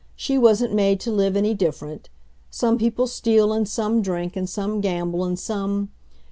She wasn't made to live any different. Some people steal and some drink and some gamble and some...